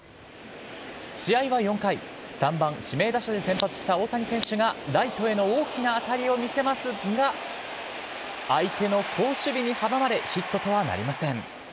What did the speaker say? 試合は４回、３番指名打者で先発した大谷選手がライトへの大きな当たりを見せますが、相手の好守備に阻まれ、ヒットとはなりません。